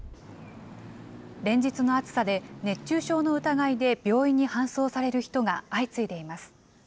連日の暑さで熱中症の疑いで病院に搬送される人が相次いでいます。